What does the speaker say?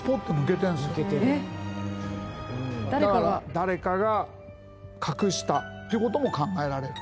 だから誰かが隠したという事も考えられる。